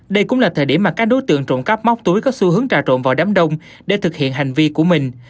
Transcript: đây cũng là thời điểm mà các đối tượng trộm cắp móc túi có xu hướng trà trộn vào đám đông để thực hiện hành vi của mình